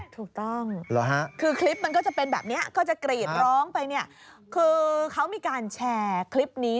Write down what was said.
ถูกต้องคือคลิปมันก็จะเป็นแบบนี้คือเขามีการแชร์คลิปนี้